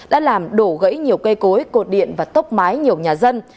đã làm đổ gãy nhiều cây cối cột điện và tốc mái nhiều nhà dân